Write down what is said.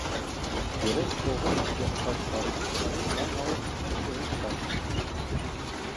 Երրորդ տողում «ճեղքված» բառի փոխարեն կա նաև՝ «կեղեքված»։